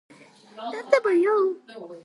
მარტო ათეულებით, აი, ამას ვერ მივიღებთ.